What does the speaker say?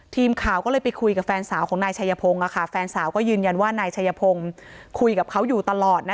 ทีมข่าวก็เลยไปคุยกับแฟนสาวของนายชัยพงศ์แฟนสาวก็ยืนยันว่านายชัยพงศ์คุยกับเขาอยู่ตลอด